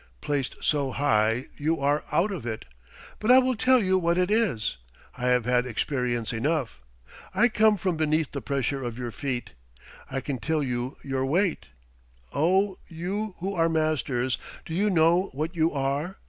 Placed so high, you are out of it. But I will tell you what it is. I have had experience enough. I come from beneath the pressure of your feet. I can tell you your weight. Oh, you who are masters, do you know what you are?